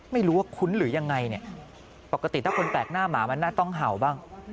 ไม่รู้ว่าคุ้นหรือยังไงเนี่ยปกติถ้าคนแปลกหน้าหมามันน่าต้องเห่าบ้าง